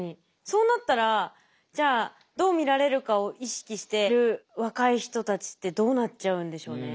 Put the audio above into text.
そうなったらじゃあどう見られるかを意識してる若い人たちってどうなっちゃうんでしょうね。